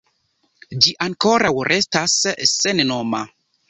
Ĝi ankoraŭ restas sennoma.